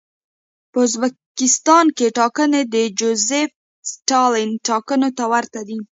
په ازبکستان کې ټاکنې د جوزېف ستالین ټاکنو ته ورته دي.